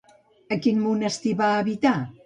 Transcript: A quin monestir va habitar?